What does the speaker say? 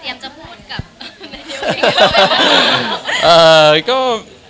เตรียมจะพูดกับแม่เดียวเองครับ